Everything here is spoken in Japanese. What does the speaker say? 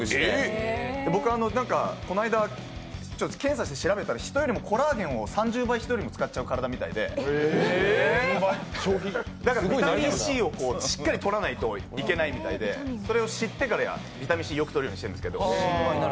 僕はこの間検査して調べたらコラーゲンを人よりも３０倍使っちゃう体みたいでだからビタミンＣをしっかりとらないといけないみたいでそれを知ってからビタミンＣをよくとるようにしてるんですけど。